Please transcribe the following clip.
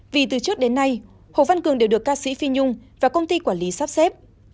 vì từ trước đến nay hồ văn cường đều được ca sĩ phi nhung và công ty quản lý sắp xếp